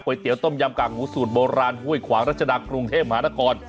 เตี๋ยต้มยำกากหมูสูตรโบราณห้วยขวางรัชดากรุงเทพมหานคร